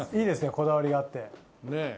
こだわりがあって。